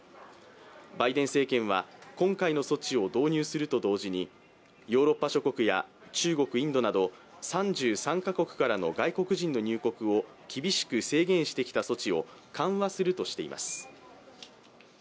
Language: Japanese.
バイデン政権は今回の措置を導入すると同時にヨーロッパ諸国や中国、インドなど３３カ国からの外国人の入国を厳しく制限してきた措置を緩和するとしています。